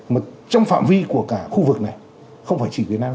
mà trong phạm vi của cả khu vực này không phải chỉ việt nam